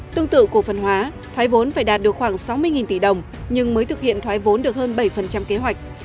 tương tự cổ phần hóa thoái vốn phải đạt được khoảng sáu mươi tỷ đồng nhưng mới thực hiện thoái vốn được hơn bảy kế hoạch